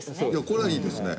これはいいですね。